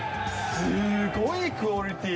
すごいクオリティー。